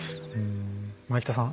前北さん